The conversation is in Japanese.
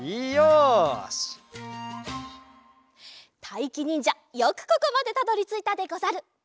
たいきにんじゃよくここまでたどりついたでござる。